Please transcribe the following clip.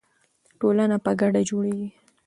ټولنه په ګډه جوړیږي.